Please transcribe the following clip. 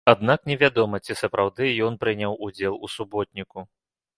Аднак невядома, ці сапраўды ён прыняў удзел у суботніку.